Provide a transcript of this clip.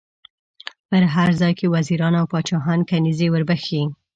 په هر ځای کې وزیران او پاچاهان کنیزي ور بخښي.